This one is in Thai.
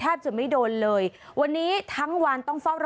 ฮัลโหลฮัลโหลฮัลโหลฮัลโหล